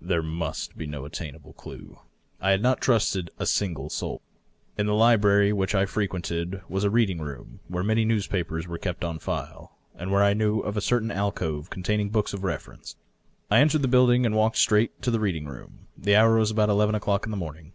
There must be no attainable clue. I had not trusted a single soul. In the library which I frequented was a reading room, where many newspapers were kept on file, and where I knew of a certain alcove containing books of reference. I entered the building and walked straight to this reading room. The hour was about eleven o^clock in the morning.